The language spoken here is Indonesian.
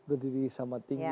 berdiri sama tinggi